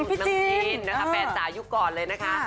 น้องจีนนะคะแฟนสายุคก่อนเลยนะคะ